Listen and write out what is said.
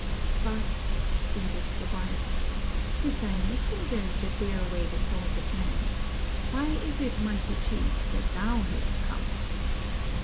"But," pleaded the "^ife. " 't is thy messengers that bear away the souls of men. Why is it, mighty chief, that thou hast come?"